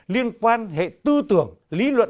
liên quan hệ tư tưởng lý luận